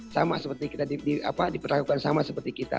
sama seperti kita diperlakukan sama seperti kita